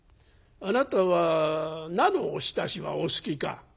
あなたは菜のおひたしはお好きか？」。